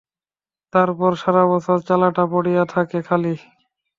তারপর সারা বছর চালাটা পড়িয়া থাকে খালি।